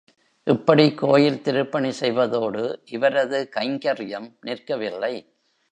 இப்படிக் கோயில் திருப்பணி செய்வதோடு இவரது கைங்கர்யம் நிற்கவில்லை.